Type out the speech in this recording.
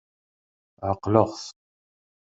Ɛeqleɣ-t.